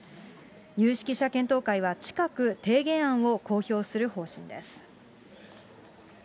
有識者検討会は近く、提言案を公表する方針です。